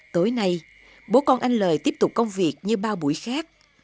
tối nay bố con anh lời tiếp tục công việc như ba buổi khác